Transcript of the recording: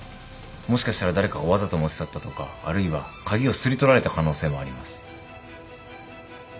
もしかしたら誰かがわざと持ち去ったとかあるいは鍵をすり取られた可能性もあります。